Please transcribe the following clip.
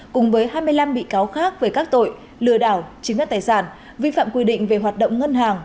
cùng với hai mươi năm bị cáo khác về các tội lừa đảo chiếm đất tài sản vi phạm quy định về hoạt động ngân hàng